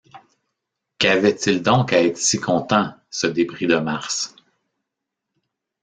Qu’avait-il donc à être si content, ce débris de Mars?